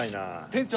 店長！